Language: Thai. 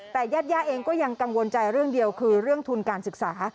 แต่ญาติย่าเองก็ยังกังวลใจเรื่องเดียวคือเรื่องทุนการศึกษา